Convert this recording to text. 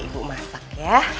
ibu masak ya